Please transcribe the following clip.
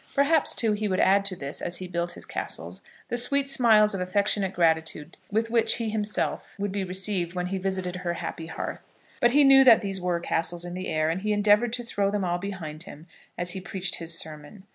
Perhaps, too, he would add to this, as he built his castles, the sweet smiles of affectionate gratitude with which he himself would be received when he visited her happy hearth. But he knew that these were castles in the air, and he endeavoured to throw them all behind him as he preached his sermon.